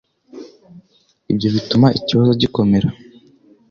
Ibyo bituma ikibazo gikomera.